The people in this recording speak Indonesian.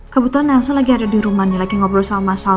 kebetulan elsa lagi ada di rumahnya lagi ngobrol sama mas al